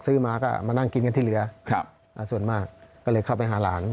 ซื้อมาก็มานั่งกินกันที่เรือส่วนมากก็เลยเข้าไปหาหลาน